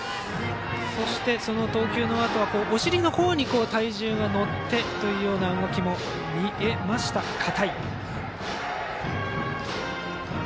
そして、投球のあとはお尻の方に体重が乗ってという動きも見えました片井。